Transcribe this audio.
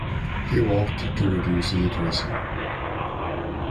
He worked to reduce illiteracy.